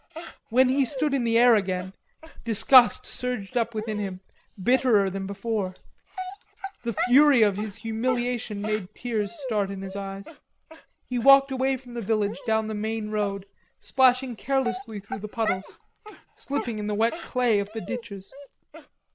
When he stood in the air again, disgust surged up within him, bitterer than before. The fury of his humiliation made tears start in his eyes. He walked away from the village down the main road, splashing carelessly through the puddles, slipping in the wet clay of the ditches.